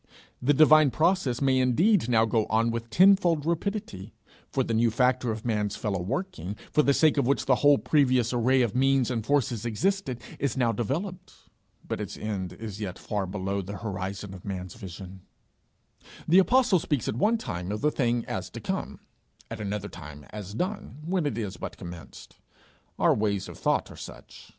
The divine process may indeed now go on with tenfold rapidity, for the new factor of man's fellow working, for the sake of which the whole previous array of means and forces existed, is now developed; but its end is yet far below the horizon of man's vision: The apostle speaks at one time of the thing as to come, at another time as done when it is but commenced: our ways of thought are such.